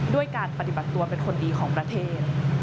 ด้วยการปฏิบัติตัวเป็นคนดีของประเทศ